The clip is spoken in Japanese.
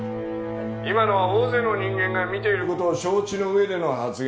今のは大勢の人間が見ている事を承知の上での発言なんだろうな？